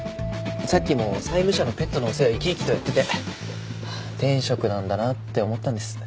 さっきも債務者のペットのお世話生き生きとやってて天職なんだなって思ったんです。